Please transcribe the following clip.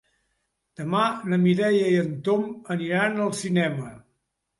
Demà na Mireia i en Tom aniran al cinema.